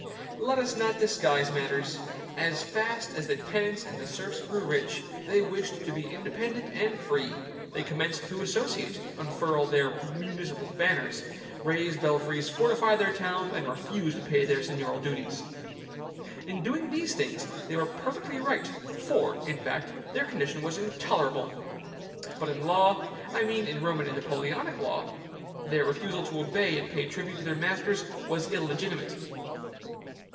Let us not disguise matters. As fast as the tenants and the serfs grew rich, they wished to be independent and free; they commenced to associate, unfurl their municipal banners, raise belfries, fortify their towns, and refuse to pay their seigniorial dues. In doing these things they were perfectly right; for, in fact, their condition was intolerable. But in law I mean in Roman and Napoleonic law their refusal to obey and pay tribute to their masters was illegitimate.